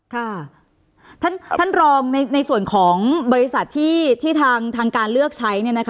ค่ะท่านรองในส่วนของบริษัทที่ทางการเลือกใช้